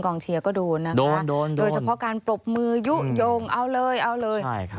กองเชียร์ก็โดนนะคะโดนโดนโดนโดนเฉพาะการปรบมือยุ่งโยงเอาเลยเอาเลยใช่ค่ะ